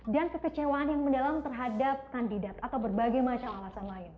dan kekecewaan yang mendalam terhadap kandidat atau berbagai macam alasan lain